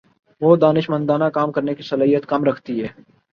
وہ دانشمندانہ کام کرنے کی صلاحیت کم رکھتی ہیں